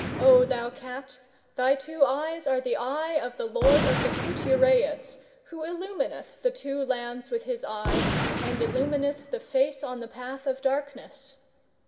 O thou Cat, thy two eyes are the Eye of the Lord of the Khut uraeus, who illumineth the Two Lands with his Eye, and illumineth the face on the path of darkness.